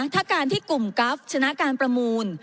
ถ้าการที่กลุ่มกราฟชนะการประมูล